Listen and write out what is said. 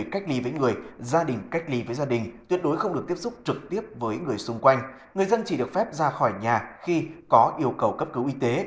không được ra khỏi phong và không được tiếp xúc trực tiếp với người khác trừ trường hợp cấp cứu y tế